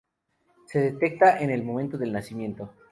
Se detecta en el momento del nacimiento.